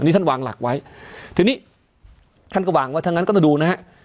อันนี้ท่านวางหลักไว้ทีนี้ท่านก็วางว่าทางนั้นก็ต้องดูนะครับ